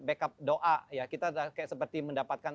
backup doa ya kita seperti mendapatkan